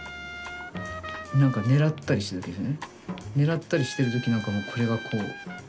何か狙ったりしてる時ですね。